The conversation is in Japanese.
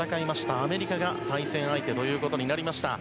アメリカが対戦相手ということになりました。